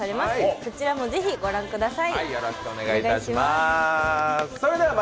そちらもぜひ、御覧ください。